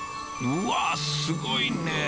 うわすごいね！